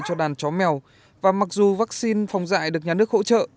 cho đàn chó mèo và mặc dù vaccine phòng dạy được nhà nước hỗ trợ